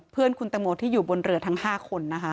เพื่อนคุณตังโมที่อยู่บนเรือทั้ง๕คนนะคะ